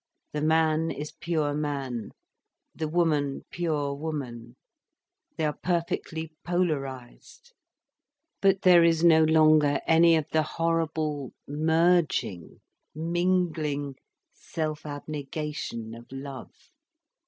The man is pure man, the woman pure woman, they are perfectly polarised. But there is no longer any of the horrible merging, mingling self abnegation of love.